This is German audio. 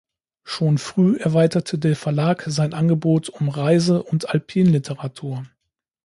Schon früh erweiterte der Verlag sein Angebot um Reise- und Alpin-Literatur.